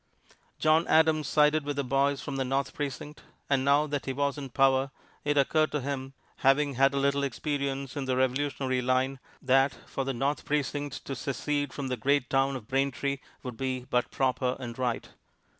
John Adams sided with the boys from the North Precinct, and now that he was in power it occurred to him, having had a little experience in the revolutionary line, that for the North Precinct to secede from the great town of Braintree would be but proper and right.